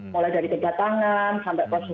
mulai dari pegatangan sampai proses